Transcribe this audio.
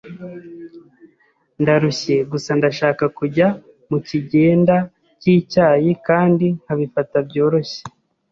Ndarushye. Gusa ndashaka kujya mukigenda cyicyayi kandi nkabifata byoroshye.